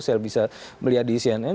saya bisa melihat di cnn